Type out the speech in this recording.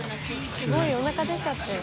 すごいおなか出ちゃってる。